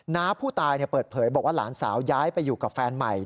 น้าผู้ตายเปิดเผยบอกว่าหลานสาวย้ายไปอยู่กับแฟนใหม่